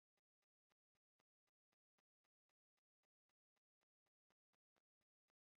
Ne indas forkuri: ursoj rapidege kuras.